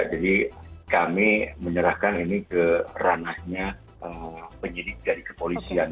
jadi kami menyerahkan ini ke ranahnya penyidik dari kepolisian